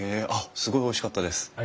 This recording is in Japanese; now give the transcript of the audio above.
すごいおいしかったです。